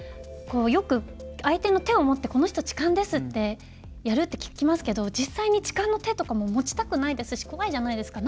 よく相手の手を持ってこの人痴漢ですってやるって聞きますけど実際に痴漢の手とかも持ちたくないですし怖いじゃないですか。